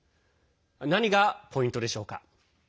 何がポイントでしょうか。